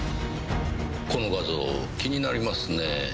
この画像気になりますねぇ。